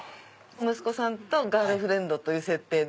息子さんとガールフレンドという設定で。